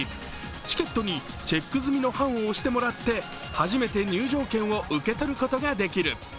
チケットにチェック済みの判を押してもらって初めて入場券を受け取ることができる。